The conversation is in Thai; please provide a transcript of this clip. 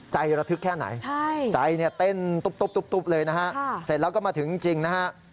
ใจระทึกแค่ไหนใจเต้นตุ๊บเลยนะครับเสร็จแล้วก็มาถึงจริงนะครับ